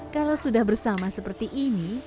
kalau sudah bersama seperti ini